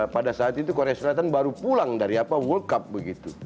pada saat itu korea selatan baru pulang dari apa world cup begitu